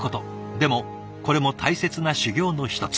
でもこれも大切な修行の一つ。